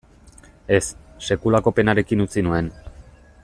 Ez, sekulako penarekin utzi nuen.